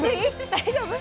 大丈夫？